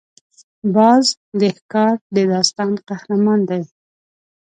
باز د ښکار د داستان قهرمان دی